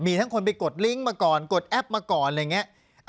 มีทั้งคนไปกดลิงก์มาก่อนกดแอปมาก่อนอะไรอย่างนี้